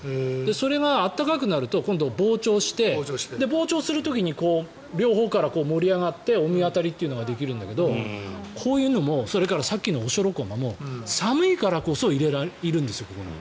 それが暖かくなると今度、膨張して、膨張する時に両方から盛り上がって御神渡りというのができるんだけどこういうのもさっきのオショロコマも寒いからこそいるんですここに。